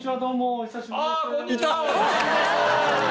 お久しぶりです！